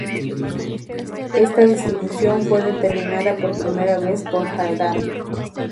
Esta distribución fue determinada por primera vez por Haldane.